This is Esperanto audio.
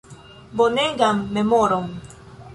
Bonegan memoron.